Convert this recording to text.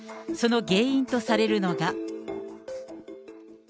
その原因とされるのが。